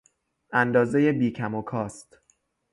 اندازهی بیکم و کاست